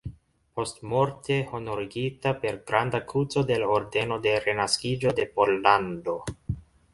Postmorte honorigita per Granda Kruco de la Ordeno de Renaskiĝo de Pollando.